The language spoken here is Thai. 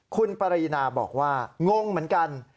คุณปรีนาบอกว่างงเหมือนกัน